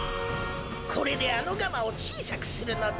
これであのガマをちいさくするのだ。